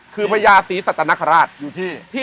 คือพญาศรีสัตนคราชอยู่ที่